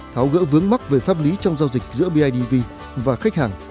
tháo gỡ vướng mắc về pháp lý trong giao dịch giữa bidv và khách hàng